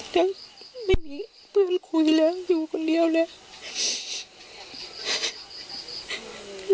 และไม่มีเพื่อนคุยและอยู่เดียวแหละ